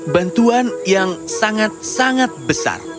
bantuan yang sangat sangat besar